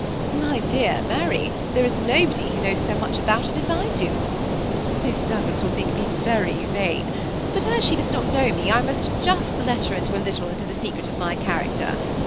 ^Mj dear Mary, there is nobody who knows so much about it as I do. Miss Douglas will think me very vain, but as she does not know me, I must just let her a little into the secret of my character.